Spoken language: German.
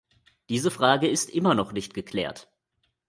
Diese Frage ist immer noch nicht geklärt.